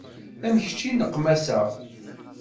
Am kečč i nneqmaseɣ.